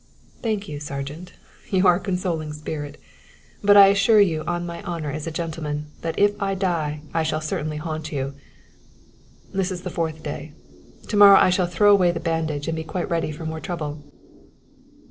"Thank you, Sergeant. You are a consoling spirit; but I assure you on my honor as a gentleman that if I die I shall certainly haunt you. This is the fourth day. To morrow I shall throw away the bandage and be quite ready for more trouble."